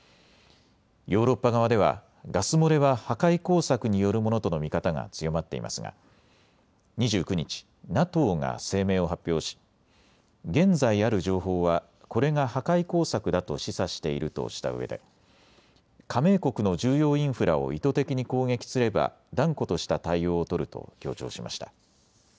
ヨーロッパ側ではガス漏れは破壊工作によるものとの見方が強まっていますが２９日、ＮＡＴＯが声明を発表し現在ある情報はこれが破壊工作だと示唆しているとしたうえで加盟国の重要インフラを意図的に攻撃すれば断固とした対応を取ると強調しました。